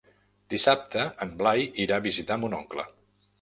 Dissabte en Blai irà a visitar mon oncle.